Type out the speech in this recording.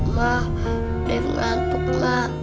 mah dev ngantuk mah